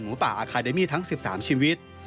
ป่าอาคาเดมี่ทั้ง๑๓ชีวิต